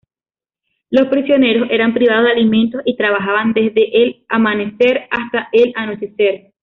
Los prisioneros eran privados de alimentos y trabajaban desde al amanecer hasta el anochecer.